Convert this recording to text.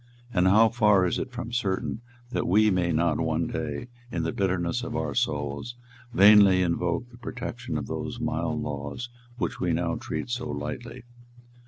And how far is it from certain that we may not one day, in the bitterness of our souls, vainly invoke the protection of those mild laws which we now treat so lightly!